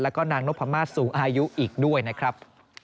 แล้วก็นางนพมาศสูงอายุอีกด้วยนะครับ